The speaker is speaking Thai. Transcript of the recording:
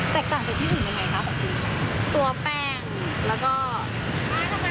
แตกต่างจากที่อื่นยังไงครับของคุณครับ